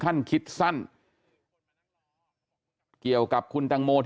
ขั้นคิดสั้น